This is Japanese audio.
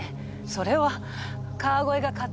それは川越が勝手に。